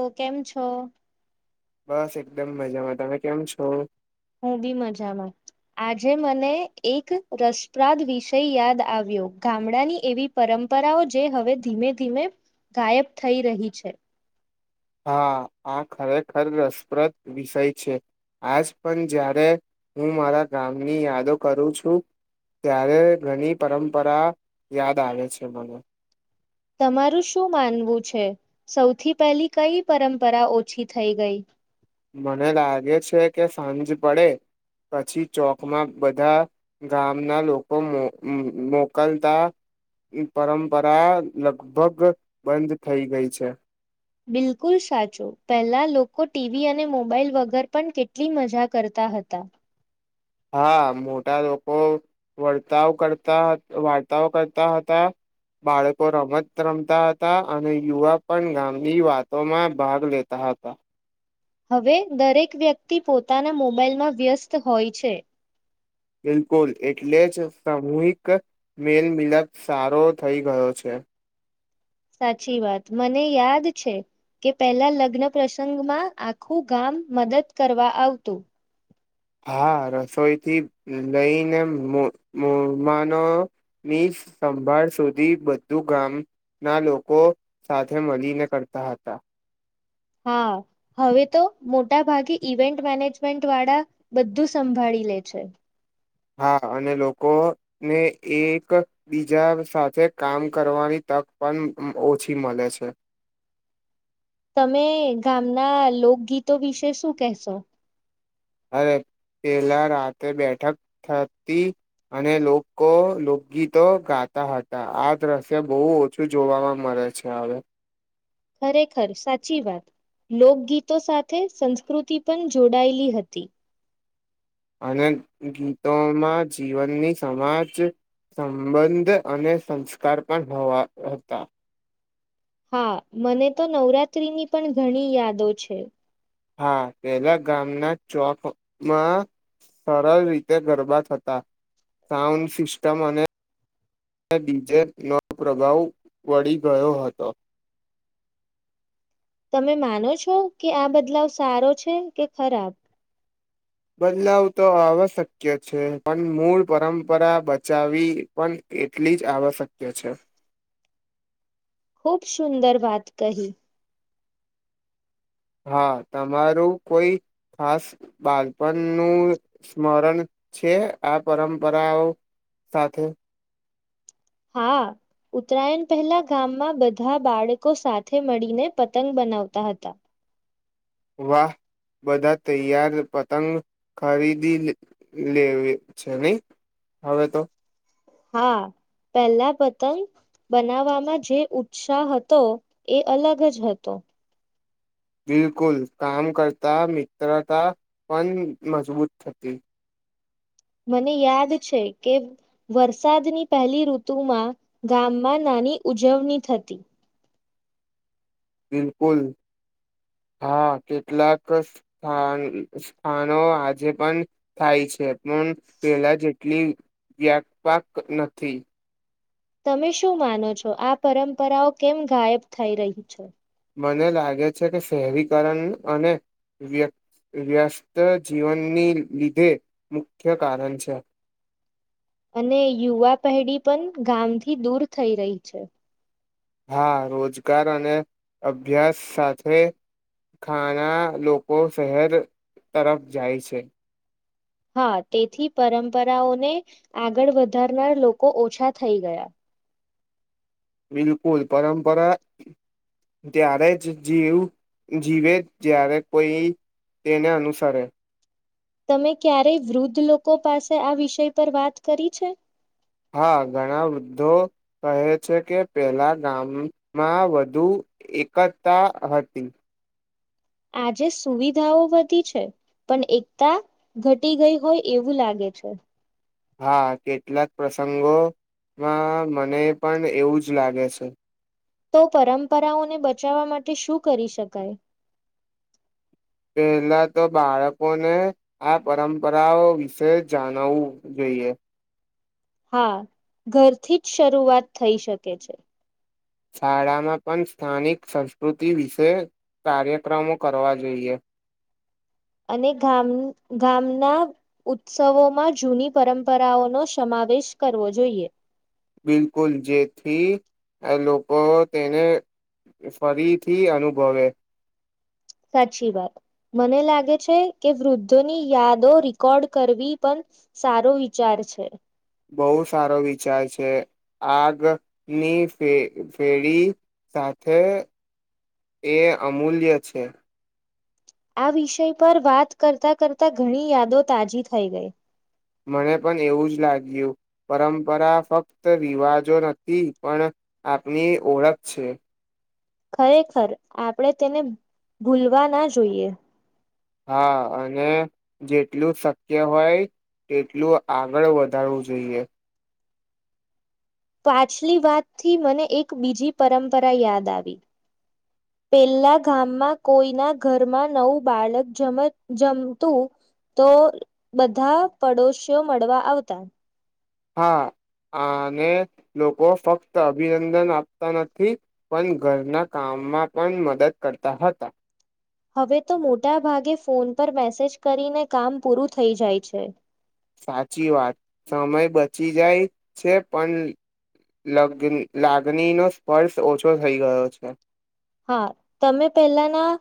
ઓ કેમ છો? બસ એકદમ મજામાં. તમે કેમ છો? હું બી મજામાં આજે મને એક રસપ્રાદ વિષય યાદ આવ્યો ગામડાની એવી પરંપરાઓ જે હવે ધીમે ધીમે ગાયબ થઈ રહી છે. હા આ ખરેખર રસપ્રદ વિષય છે આજ પણ જ્યારે હું મારા ગામની યાદો કરું છું ત્યારે ઘણી પરંપરા યાદ આવે છે મને તમારું શું માનવું છે? સૌથી પહેલી કઈ પરંપરા ઓછી થઈ ગઈ. મને લાગે છે કે સાંજ પડે પછી ચોકમાં બધા ગામના લોકો મોકલતા પરંપરા લગભગ બંધ થઈ ગઈ છે. બિલકુલ સાચું પહેલા લોકો ટીવી અને મોબાઈલ વગર પણ કેટલી મજા કરતા હતા. હા મોટા લોકો વર્તાવ કરતા વાર્તાઓ કરતા હતા બાળકો રમત રમતા હતા અને યુવા પણ ગામની વાતોમાં ભાગ લેતા હતા. હવે દરેક વ્યક્તિ પોતાના મોબાઈલમાં વ્યસ્ત હોય છે. બિલકુલ એટલે જ સામૂહિક મેલમિલપ સારો થઇ ગયો છે. સાચી વાત મને યાદ છે કે પેલા લગ્ન પ્રસંગમાં આખું ગામ મદદ કરવા આવતું. હા રસોઈથી લઈને મમાનોની સંભાળ સુધી બધું ગામના લોકો સાથે મળીને કરતા હતા. હા હવે તો મોટા ભાગે ઈવેન્ટ મેનેજમેન્ટ વાળા બધું સંભાળી લે છે. હા અને લોકોને એક બીજા સાથે કામ કરવાની તક પણ ઓછી મળે છે. તમે ગામના લોકગીતો વિશે શું કેહેશો? અરે પેલા રાતે બેઠક થતી અને લોકો લોકગીતો ગાતા હતા આ દ્રશ્ય બહુ ઓછું જોવાવા મળે છે. હવે ખરેખર સાચી વાત. લોકગીતો સાથે સંસ્કૃતિ પણ જોડાયેલી હતી. અને ગીતોમાં જીવનની સમાજ સંબંધ અને સંસ્કાર પણવા હતા. હા મને તો નવરાત્રીની પણ ઘણી યાદો છે. હા પહેલા ગામના ચોકમાં સરળ રીતે ગરબા હતા સાઉન્ડ સિસ્ટમ અને બીજે નો પ્રભાવ વળી ગયો હતો. તમે માનો છો કે આ બદલાવ સારો છે, કે ખરાબ? બદલાવ તો આવશક્ય છે, પણ મૂળ પરંપરા બચાવવી પણ એટલી જ આવશ્યક્ય છે. ખૂબ સુંદર વાત કહી હા તમારું કોઈ ખાસ બાલપણનું સ્મરણ છે આ પરંપરાઓ સાથે હા ઉત્તરાયણ પહેલા ગામમાં બધા બાળકો સાથે મળીને પતંગ બનાવતા હતા. વાહ બધા તૈયાર પતંગ ખરીદી લેવે છે નહી હવે તો હા પહેલા પતંગ બનાવવામાં જે ઉત્સાહ હતો એ અલગ જ હતો. બિલકુલ કામ કરતા મિત્રતા પણ મજબૂત થતી. મને યાદ છે કે વરસાદની પહેલી ઋતુમાં ગામમાં નાની ઉજવણી થતી. બિલકુલ હા કેટલાક સ્થા સ્થાનો આજે પણ થાય છે પણ પહેલા જેટલી વ્યાકપાક નથી. તમે શું માનો છો આ પરંપરાઓ કેમ ગાયબ થઈ રહી છે. મને લાગે છે કે શહેરીકરણ અને વય વ્યસ્ત જીવનની લીધે મુખ્ય કારણ છે. અને યુવા પેઢી પણ ગામથી દૂર થઈ રહી છે. હા રોજગાર અને અભ્યાસ સાથે ખાણા લોકો શહેર તરફ જાય છે. હા તેથી પરંપરાઓને આગળ વધારનાર લોકો ઓછા થઈ ગયા. બિલકુલ પરંપરા ત્યારે જ જીવ જીવે જ્યારે કોઈ તેને અનુસરે તમે ક્યારેય વૃદ્ધ લોકો પાસે આ વિષય પર વાત કરી છે. હા ઘણા વૃદ્ધો કહે છે કે પેલા ગામમાં વધુ એકતા હતી. આજે સુવિધાઓ વધી છે પણ એકતા ઘટી ગઈ હોય એવું લાગે છે. હા કેટલાક પ્રસંગોમાં મને પણ એવું જ લાગે છે. તો પરંપરાઓને બચાવવા માટે શું કરી શકાય. પહેલા તો બાળકોને આ પરંપરાઓ વિશે જાણવવું જોઈએ. હા ઘરથી જ શરૂઆત થઈ શકે છે. શાળામાં પણ સ્થાનિક સંસ્કૃતિ વિશે કાર્યક્રમો કરવા જોઈએ. અને ગામ ગામના ઉત્સવોમાં જૂની પરંપરાઓનો સમાવેશ કરવો જોઈએ. બિલકુલ જેથી લોકો તેને ફરીથી અનુભવે સાચી વાત મને લાગે છે કે વૃદ્ધોની યાદો રીકોર્ડ કરવી પણ સારો વિચાર છે. બોવ સારો વિચાર છે આગની ફે ફેરી સાથે એ અમૂલ્ય છે. આ વિષય પર વાત કરતા કરતા ઘણી યાદો તાજી થઈ ગઈ મને પણ એવું જ લાગ્યું પરંપરા ફક્ત રિવાજો નથી પણ આપની ઓળખ છે. ખરેખર આપણેે તેને ભૂલવા ના જોઈએ. હા અને જેટલું શક્ય હોય તેટલું આગળ વધારવું જોઈએ. પાછલી વાત થી મને એક બીજી પરંપરા યાદ આવી પેલા ગામમાં કોઈના ઘરમાં નવું બાળક જમ જમતું તો બધા પડોશીઓ મળવા આવતા હા અને લોકો ફક્ત અભિનંદન આપતા નથી પણ ઘરના કામમાં પણ મદદ કરતા હતા. હવે તો મોટા ભાગે ફોન પર મેસેજ કરીને કામ પૂરું થઈ જાય છે. સાચી વાત સમય બચી જાય છે પણ લગ લાગણી નો સ્પર્શ ઓછો થઈ ગયો છે. હા તમે પેલાના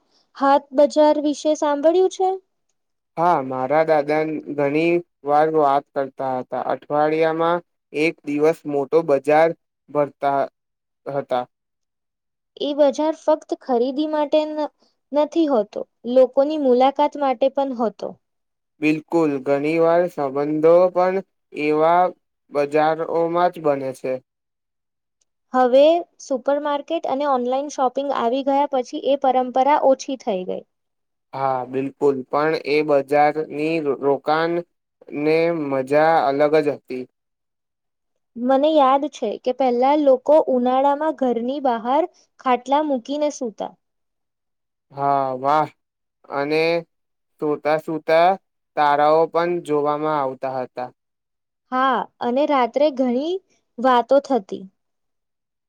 હાટ બજાર વિશે સાંભળ્યું છે. હા મારા દાદા ઘણી વાર વાત કરતા હતા અઠવાડિયામાં એક દિવસ મોટો બજાર ભરતા હ હતા. એ બજાર ફક્ત ખરીદી માટે ન નથી હોતો લોકોની મુલાકાત માટે પણ હોતો. બિલકુલ ઘણી વાર સંબંધો પણ એવા બજારોમાં જ બને છે. હવે સુપર માર્કેટ અને ઓનલાઈન શોપિંગ આવી ગયા પછી એ પરંપરા ઓછી થઈ ગઈ. હા બિલકુલ પણ એ બજારની રોકાણને મજા અલગ જ હતી. મને યાદ છે કે પહેલા લોકો ઉનાળામાં ઘરની બહાર ખાટલા મૂકીને સુતા હા વાહ અને સુતા સુતા તારાઓ પણ જોવામાં આવતા હતા. હા અને રાત્રે ઘણી વાતો થતી.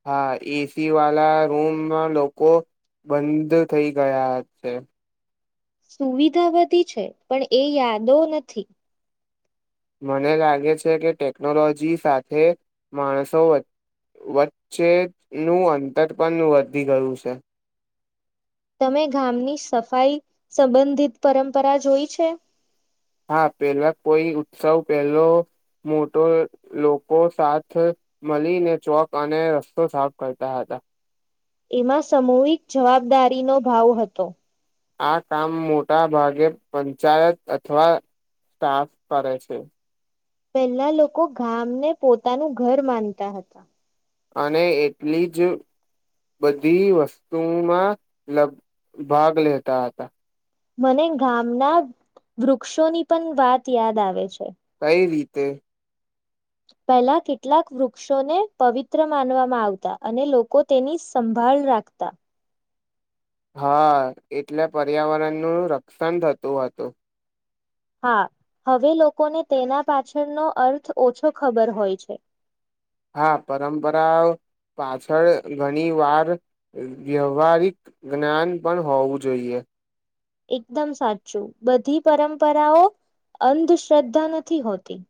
હા એસી વાલા રૂમમાં લોકો બંધ થઈ ગયા છે. સુવિધા વધી છે પણ એ યાદો નથી. મને લાગે છે કે ટેકનોલોજી સાથે માણસો વ વચ્ચેનું અંતર પણ વધી ગયું છે. તમે ગામની સફાઈ સંબંધિત પરંપરા જોઈ છે. હા પેલા કોઈ ઉત્સવ પહેલો મોટો લોકો સાથ મલીને ચોક અને રસ્તો સાફ કરતા હતા. એમાં સામૂહિક જવાબદારીનો ભાવ હતો. આ કામ મોટા ભાગે પંચાયત અથવા સ્ટાફ કરે છે. પેલા લોકો ગામને પોતાનું ઘર માનતા હતા. અને એટલી જ બધી વસ્તુમાં ભાગ લેતા હતા. મને ગામના વૃક્ષોની પણ વાત યાદ આવે છે. કઈ રીતે? પહેલા કેટલાક વૃક્ષોને પવિત્ર માનવામાં આવતા અને લોકો તેની સંભાળ રાખતા. હા એટલે પર્યાવરણનું રક્ષણ થતું હતું. હા હવે લોકોને તેના પાછળનો અર્થ ઓછો ખબર હોય છે. હા પરંપરા પાછળ ઘણી વાર વ્યવહારિક જ્ઞાન પણ હોવું જોઈએ. એકદમ સાચું બધી પરંપરાઓ અંધશ્રદ્ધા નથી હોતી.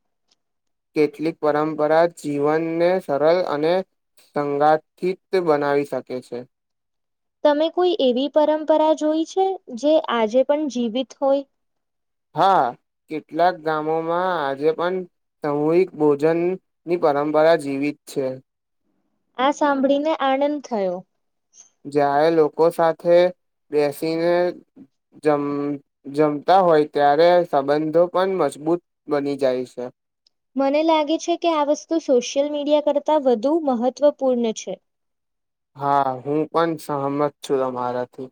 કેટલીક પરંપરા જીવનને સરળ અને સંગાઠિત બનાવી શકે છે. તમે કોઈ એવી પરંપરા જોઈ છે, જે આજે પણ જીવિત હોય. હા કેટલાક ગામોમાં આજે પણ સામૂહિક ભોજનની પરંપરા જીવિત છે. આ સાંભળીને આનંદ થયો. જ્યારે લોકો સાથે બેસીને જમ જમતા હોય ત્યારે સંબંધો પણ મજબૂત બની જાય છે. મને લાગે છે કે આ વસ્તુ સોશિયલ મીડિયા કરતાં વધુ મહત્વપૂર્ણ છે હા હું પણ સહમત છું તમારાથી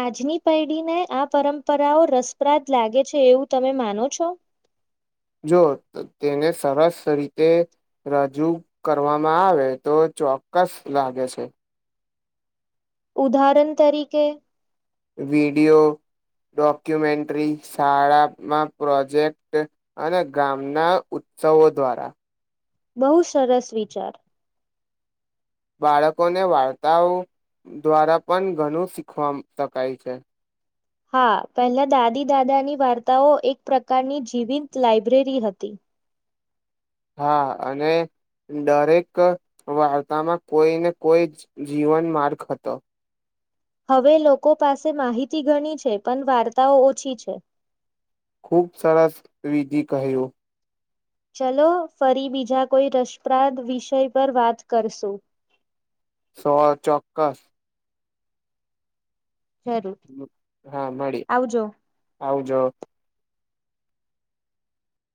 આજની પૈઢીને આ પરંપરાઓ રસપ્રાદ લાગે છે એવું તમે માનો છો જો તેને સરસ રીતે રજૂ કરવામાં આવે તો ચોક્કસ લાગે છે ઉદાહરણ તરીકે વિડિયો ડોક્યુમેન્ટ્રી શાળામાં પ્રોજેક્ટ અને ગામના ઉત્સવો દ્વારા બહુ સરસ વિચાર બાળકોને વાર્તાઓ દ્વારા પણ ઘણું શીખવા શકાય છે હા પહેલા દાદી દાદાની વાર્તાઓ એક પ્રકારની જીવંત લાઈબ્રેરી હતી હા અને દરેક વાર્તામાં કોઈ ને કોઈ જીવન માર્ગ હતો હવે લોકો પાસે માહિતી ઘણી છે પણ વાર્તાઓ ઓછી છે. ખૂબ સરસ વિધિ કહ્યું ચલો ફરી બીજા કોઈ રસપ્રાદ વિષય પર વાત કરશું. સો ચોક્કસ જરૂર હા મળી આવજો આવ જો